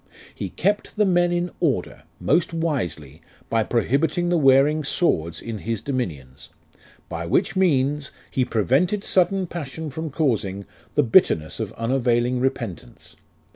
He kept the Men in order ; most wisely, By prohibiting the wearing swords in his dominions ; By which means He prevented sudden passion from causing The bitterness of unavailing repentance.